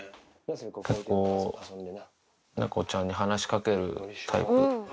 結構、猫ちゃんに話しかけるタイプ。